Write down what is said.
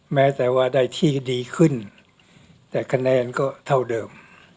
แม้แต่ว่าได้ที่ดีขึ้นแต่คะแนนก็เท่าเดิม